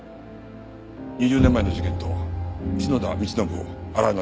２０年前の事件と篠田道信を洗い直します。